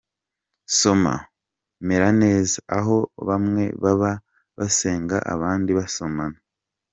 Soma:Meraneza, aho bamwe baba basenga abandi basomana.